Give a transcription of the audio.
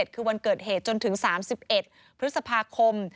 คือวันเกิดเหตุจนถึง๓๑พฤษภาคม